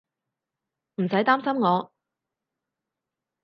唔使擔心我